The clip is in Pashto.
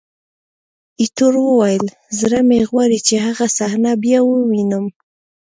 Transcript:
ایټور وویل: زړه مې غواړي چې هغه صحنه بیا ووینم.